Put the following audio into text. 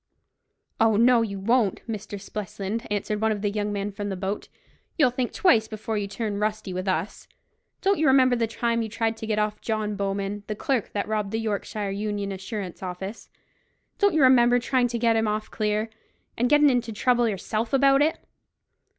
"Oh, no, you won't, Mr. Spelsand," answered one of the young men from the boat; "you'll think twice before you turn rusty with us. Don't you remember the time you tried to get off John Bowman, the clerk that robbed the Yorkshire Union Assurance Office—don't you remember trying to get him off clear, and gettin' into trouble yourself about it?"